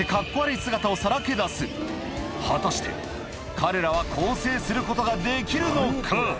果たして彼らは更生することができるのか？